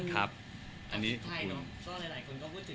ครับอันนี้ชุดไทยเนอะเพราะว่าหลายคนยึดถึงอยู่